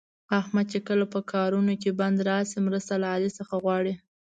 احمد چې کله په کارونو کې بند راشي، مرسته له علي څخه غواړي.